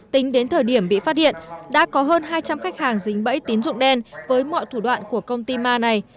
tính đến thời điểm bị phát hiện đã có hơn hai trăm linh khách hàng dính bẫy tín dụng đen với mọi thủ đoạn của công ty ma này